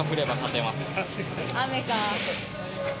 雨か。